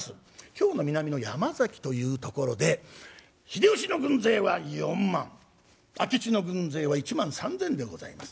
京の南の山崎という所で秀吉の軍勢は４万明智の軍勢は１万３，０００でございます。